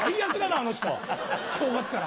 あの人正月から。